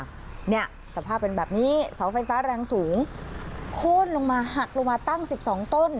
เนี่ยสภาพเป็นแบบนี้เสาไฟฟ้าแรงสูงโค้นลงมาหักลงมาตั้งสิบสองต้น